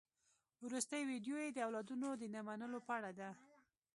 وروستۍ ويډيو يې د اولادونو د نه منلو په اړه ده.